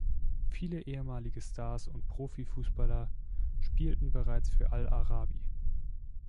Viele ehemalige Stars und Profifußballer spielten bereits für Al-Arabi.